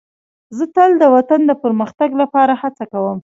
زه تل د وطن د پرمختګ لپاره هڅه کوم.